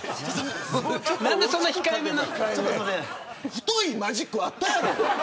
太いマジックあったやろ。